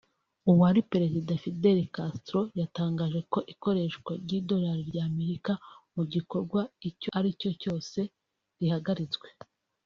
uwari perezida Fidel Castro yatangaje ko Ikoreshwa ry’idolari rya Amerika mu gikorwa icyo aricyo cyose rihagaritswe